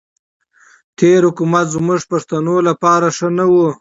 تېر حکومت زموږ پښتنو لپاره ښه نه وو.